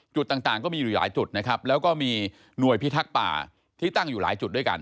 จุดต่างก็มีอยู่หลายจุดนะครับแล้วก็มีหน่วยพิทักษ์ป่าที่ตั้งอยู่หลายจุดด้วยกัน